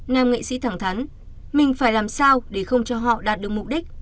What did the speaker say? nam nghệ sĩ thẳng thắn mình phải làm sao để không cho họ đạt được mục đích